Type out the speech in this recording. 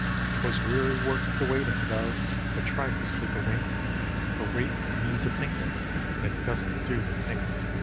'Twas weary work the waiting, though; I tried to sleep a wink, For waitin' means a thinkin', and it doesn't do to think.